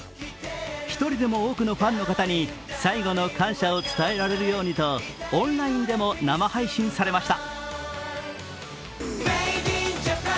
１人でも多くのファンの方に最後の感謝を伝えられるようにとオンラインでも生配信されました。